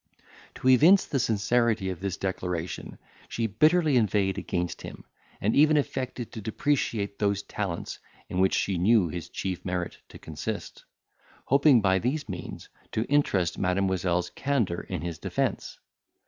To evince the sincerity of this declaration, she bitterly inveighed against him, and even affected to depreciate those talents, in which she knew his chief merit to consist; hoping, by these means, to interest Mademoiselle's candour in his defence.